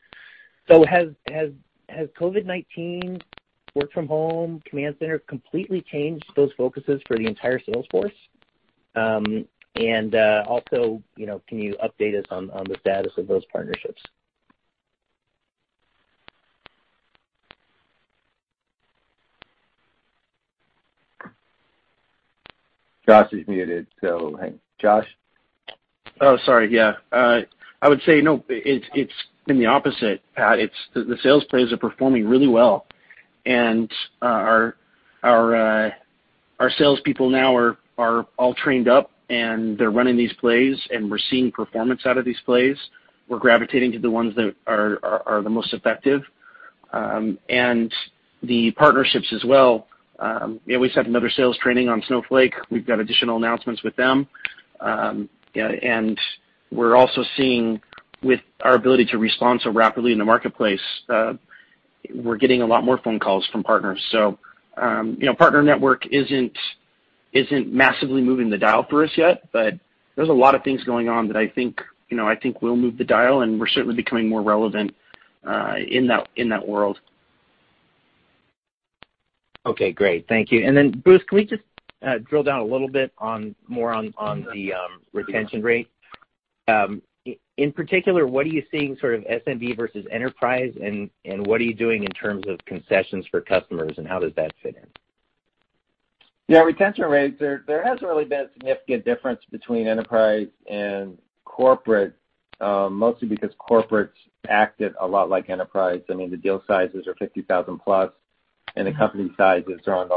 S9: Has COVID-19 Crisis Command Center completely changed those focuses for the entire sales force? Also, can you update us on the status of those partnerships?
S5: Josh is muted, so hang on. Josh?
S4: Oh, sorry. Yeah. I would say no, it's been the opposite, Pat. The sales plays are performing really well, and our salespeople now are all trained up, and they're running these plays, and we're seeing performance out of these plays. We're gravitating to the ones that are the most effective. The partnerships as well. We just had another sales training on Snowflake. We've got additional announcements with them. We're also seeing with our ability to respond so rapidly in the marketplace, we're getting a lot more phone calls from partners. Partner network isn't massively moving the dial for us yet, but there's a lot of things going on that I think will move the dial, and we're certainly becoming more relevant in that world.
S9: Okay, great. Thank you. Bruce Felt, can we just drill down a little bit more on the retention rate? In particular, what are you seeing sort of SMB versus enterprise, and what are you doing in terms of concessions for customers, and how does that fit in?
S5: Yeah, retention rates. There hasn't really been a significant difference between enterprise and corporate, mostly because corporate's acted a lot like enterprise. I mean, the deal sizes are $50,000+, and the company sizes are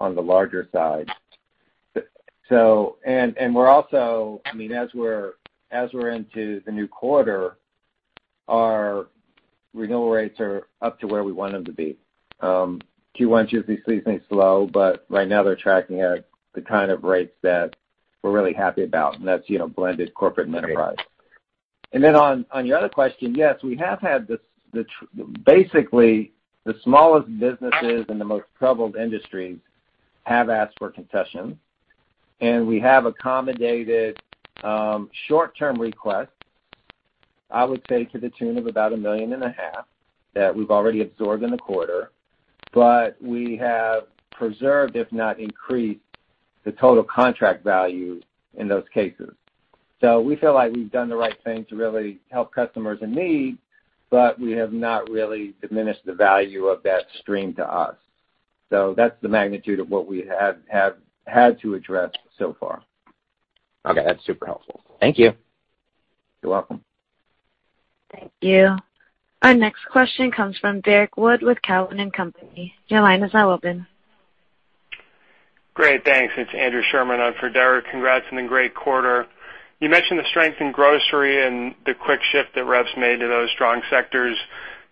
S5: on the larger side. We're also, as we're into the new quarter, our renewal rates are up to where we want them to be. Q1 is usually seasonally slow, but right now they're tracking at the kind of rates that we're really happy about, and that's blended corporate and enterprise. On your other question, yes, basically, the smallest businesses and the most troubled industries have asked for concessions. We have accommodated short-term requests, I would say to the tune of about $1.5 million, that we've already absorbed in the quarter. We have preserved, if not increased, the total contract value in those cases. We feel like we've done the right thing to really help customers in need, but we have not really diminished the value of that stream to us. That's the magnitude of what we have had to address so far.
S9: Okay. That's super helpful. Thank you.
S5: You're welcome.
S1: Thank you. Our next question comes from Derrick Wood with Cowen and Company. Your line is now open.
S10: Great. Thanks. It's Andrew Sherman on for Derrick. Congrats on the great quarter. You mentioned the strength in grocery and the quick shift that reps made to those strong sectors.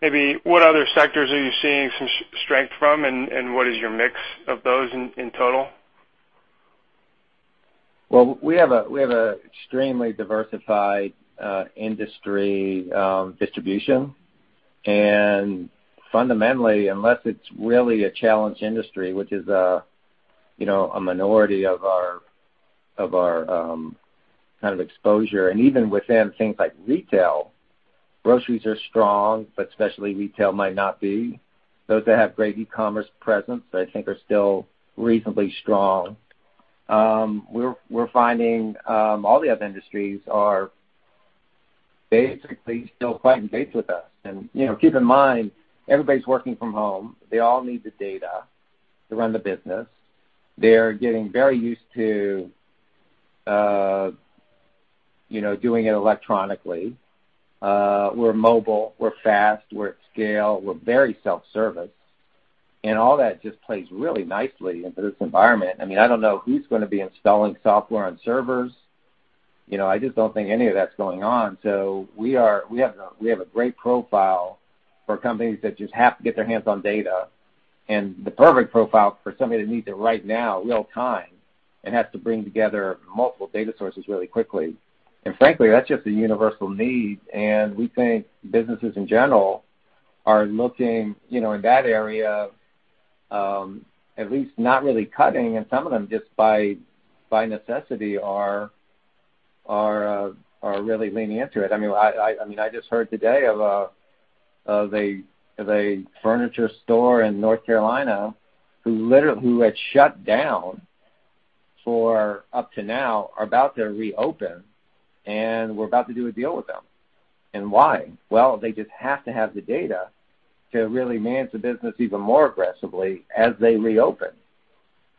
S10: Maybe what other sectors are you seeing some strength from, and what is your mix of those in total?
S5: Well, we have an extremely diversified industry distribution. Fundamentally, unless it's really a challenged industry, which is a minority of our kind of exposure, and even within things like retail, groceries are strong, but specialty retail might not be. Those that have great e-commerce presence, I think, are still reasonably strong. We're finding all the other industries are basically still [inaudible] with us. Keep in mind, everybody's working from home. They all need the data to run the business. They're getting very used to doing it electronically. We're mobile, we're fast, we're at scale, we're very self-service. All that just plays really nicely into this environment. I don't know who's going to be installing software on servers. I just don't think any of that's going on. We have a great profile for companies that just have to get their hands on data, and the perfect profile for somebody that needs it right now, real time, and has to bring together multiple data sources really quickly. Frankly, that's just a universal need, and we think businesses in general are looking, in that area, at least not really cutting, and some of them just by necessity are really leaning into it. I just heard today of a furniture store in North Carolina who had shut down for up to now, are about to reopen, and we're about to do a deal with them. Why? Well, they just have to have the data to really manage the business even more aggressively as they reopen.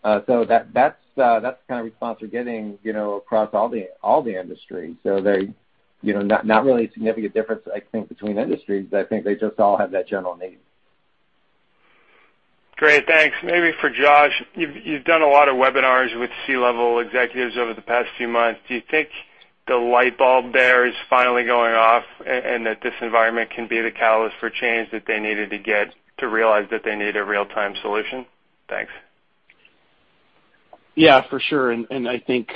S5: That's the kind of response we're getting across all the industries. Not really a significant difference, I think, between industries, but I think they just all have that general need.
S10: Great. Thanks. Maybe for Josh, you've done a lot of webinars with C-level executives over the past few months. Do you think the light bulb there is finally going off, that this environment can be the catalyst for change that they needed to get to realize that they need a real-time solution? Thanks.
S4: Yeah, for sure. I think,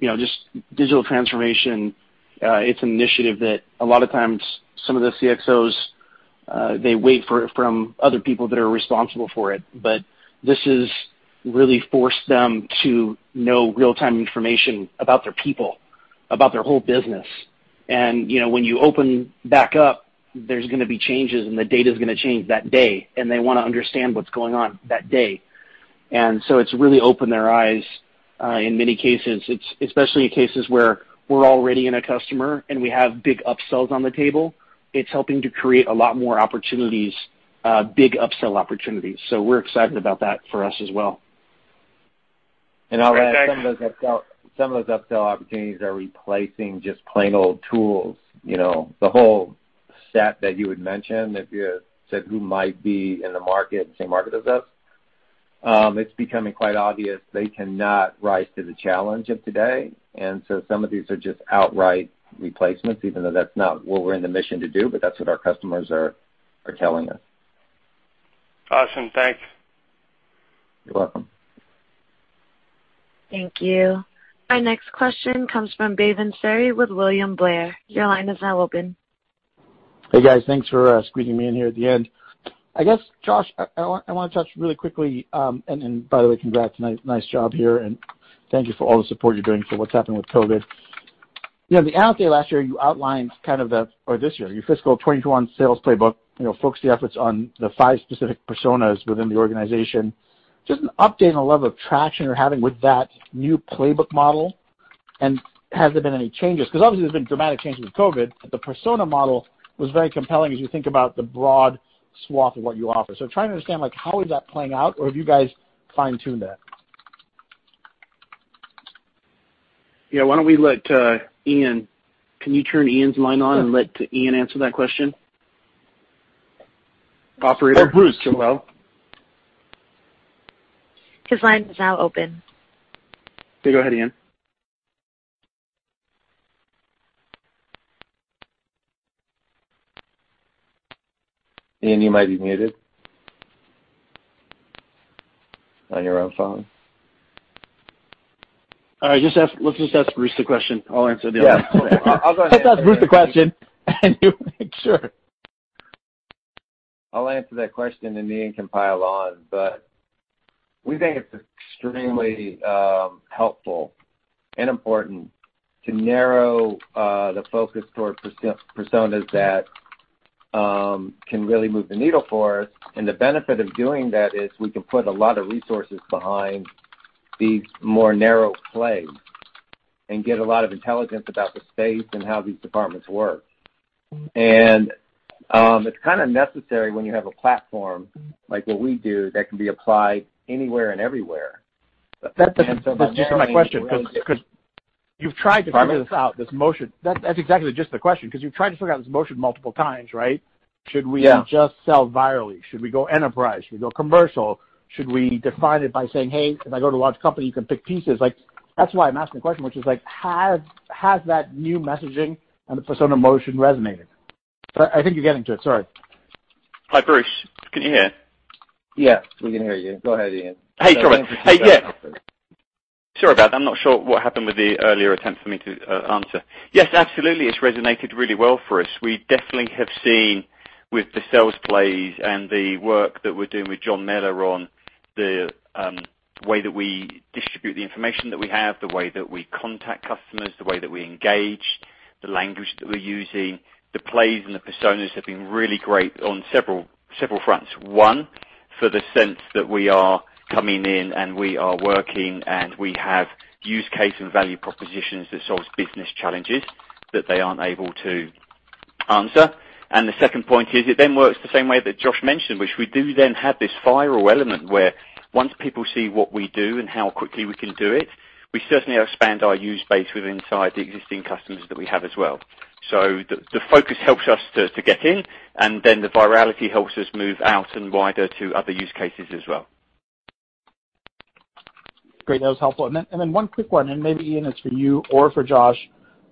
S4: just digital transformation, it's an initiative that a lot of times some of the CXOs, they wait for it from other people that are responsible for it. This has really forced them to know real-time information about their people, about their whole business. When you open back up, there's going to be changes, and the data's going to change that day, and they want to understand what's going on that day. It's really opened their eyes in many cases. Especially in cases where we're already in a customer, and we have big upsells on the table, it's helping to create a lot more opportunities, big upsell opportunities. We're excited about that for us as well.
S10: Great, thanks.
S5: I'll add, some of those upsell opportunities are replacing just plain old tools. The whole set that you had mentioned, that you said who might be in the market, same market as us, it's becoming quite obvious they cannot rise to the challenge of today. Some of these are just outright replacements, even though that's not what we're in the mission to do, but that's what our customers are telling us.
S10: Awesome. Thanks.
S5: You're welcome.
S1: Thank you. Our next question comes from Bhavan Suri with William Blair. Your line is now open.
S11: Hey guys. Thanks for squeezing me in here at the end. I guess, Josh, I want to touch really quickly, and by the way, congrats. Nice job here, and thank you for all the support you're doing for what's happening with COVID-19. The analyst day last year, you outlined kind of this year, your fiscal 2021 sales playbook, focused the efforts on the five specific personas within the organization. Just an update on the level of traction you're having with that new playbook model. Has there been any changes? Obviously, there's been dramatic changes with COVID-19. The persona model was very compelling as you think about the broad swath of what you offer. I'm trying to understand how is that playing out, or have you guys fine-tuned that?
S4: Yeah. Why don't we let Ian, can you turn Ian's line on and let Ian answer that question? Operator. Bruce, as well.
S1: His line is now open.
S4: Okay. Go ahead, Ian.
S5: Ian, you might be muted on your own phone.
S4: All right. Let's just ask Bruce the question. I'll answer the other one.
S5: Yeah. Let's ask Bruce the question, and you make sure. I'll answer that question, Ian can pile on. We think it's extremely helpful and important to narrow the focus towards personas that can really move the needle for us. The benefit of doing that is we can put a lot of resources behind these more narrow plays and get a lot of intelligence about the space and how these departments work. It's kind of necessary when you have a platform like what we do that can be applied anywhere and everywhere.
S11: That's just my question because you've tried to figure this out, this motion. That's exactly just the question, because you've tried to figure out this motion multiple times, right?
S5: Yeah.
S11: Should we just sell virally? Should we go enterprise? Should we go commercial? Should we define it by saying, "Hey, if I go to a large company, you can pick pieces"? That's why I'm asking the question, which is like, has that new messaging and the persona motion resonated? I think you're getting to it. Sorry.
S12: Hi, Bruce. Can you hear?
S5: We can hear you. Go ahead, Ian.
S12: Hey, sorry. Hey, yeah. Sorry about that. I'm not sure what happened with the earlier attempt for me to answer. Yes, absolutely. It's resonated really well for us. We definitely have seen with the sales plays and the work that we're doing with John Mellor on the way that we distribute the information that we have, the way that we contact customers, the way that we engage, the language that we're using, the plays and the personas have been really great on several fronts. One, for the sense that we are coming in and we are working and we have use case and value propositions that solves business challenges that they aren't able to answer. The second point is it then works the same way that Josh mentioned, which we do then have this viral element where once people see what we do and how quickly we can do it, we certainly expand our use base with inside the existing customers that we have as well. The focus helps us to get in, and then the virality helps us move out and wider to other use cases as well.
S11: Great. That was helpful. One quick one, and maybe, Ian, it's for you or for Josh,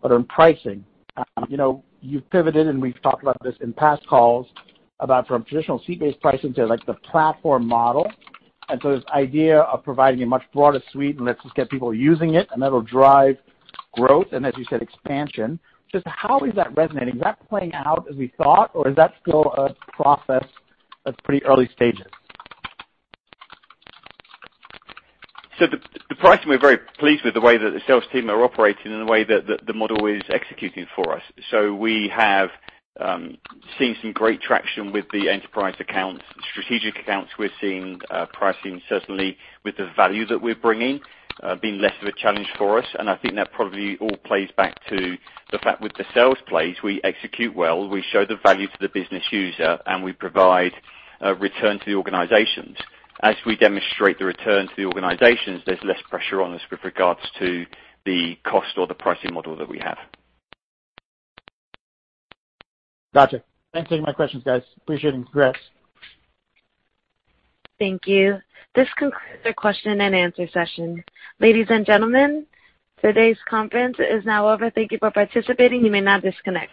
S11: but on pricing. You've pivoted, and we've talked about this in past calls, about from traditional seat-based pricing to the platform model. This idea of providing a much broader suite, and let's just get people using it, and that'll drive growth and, as you said, expansion. Just how is that resonating? Is that playing out as we thought, or is that still a process that's pretty early stages?
S12: The pricing, we're very pleased with the way that the sales team are operating and the way that the model is executing for us. We have seen some great traction with the enterprise accounts. Strategic accounts, we're seeing pricing certainly with the value that we're bringing being less of a challenge for us, and I think that probably all plays back to the fact with the sales plays, we execute well, we show the value to the business user, and we provide a return to the organizations. As we demonstrate the return to the organizations, there's less pressure on us with regards to the cost or the pricing model that we have.
S11: Got you. Thanks for taking my questions, guys. Appreciate it. Congrats.
S1: Thank you. This concludes the question-and-answer session. Ladies and gentlemen, today's conference is now over. Thank you for participating. You may now disconnect.